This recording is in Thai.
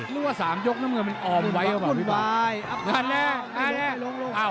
รู้ว่าสามยกนั้นมันออมไว้เอาป่ะพี่ป่า